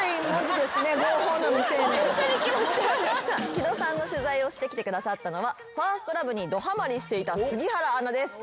木戸さんの取材をしてきてくださったのは『ＦｉｒｓｔＬｏｖｅ』にどハマりしていた杉原アナです。